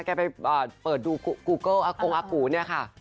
ไปเปิดดูกูโก้อากงอากูเนี่ยค่ะ